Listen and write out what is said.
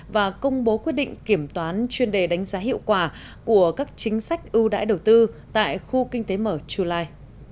và công bố quyết định kiểm toán chuyên đề đánh giá hiệu quả của các chính sách ưu đãi đầu tư tại khu kinh tế mở chu lai